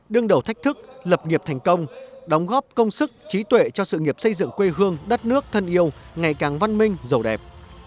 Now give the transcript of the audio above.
đương đầu thách thức lập nghiệp thành công đóng góp công sức trí tuệ cho sự nghiệp xây dựng quê hương đất nước thân yêu ngày càng văn minh giàu đẹp